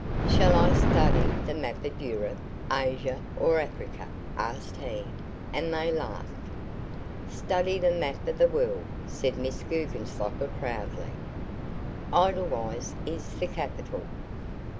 "Shall I study the map of Europe, Asia or Africa?" asked he, and they laughed. "Study the map of the world," said Miss Guggenslocker, proudly. "Edelweiss is the capital?"